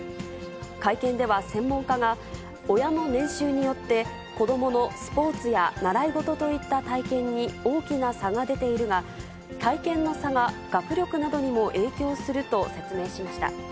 会見では専門家が親の年収によって、子どものスポーツや習い事といった体験に大きな差が出ているが、体験の差が学力などにも影響すると説明しました。